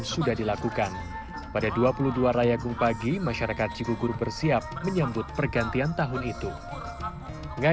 sampai jumpa di video selanjutnya